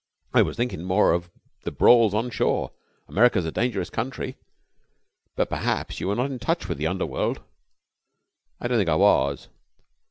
"I was thinking more of the brawls on shore. America's a dangerous country. But perhaps you were not in touch with the underworld?" "I don't think I was."